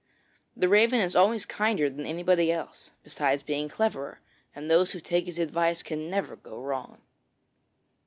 The Raven is always kinder than anybody else, besides being cleverer, and those who take his advice can never go wrong.